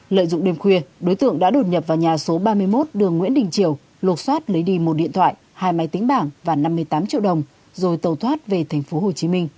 lợi dụng đêm khuya đối tượng đã đột nhập vào nhà số ba mươi một đường nguyễn đình triều lục xoát lấy đi một điện thoại hai máy tính bảng và năm mươi tám triệu đồng rồi tàu thoát về tp hcm